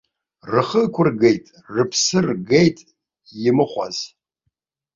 Рхы ықәыргеит, рыԥсы ргеит имыхәаз.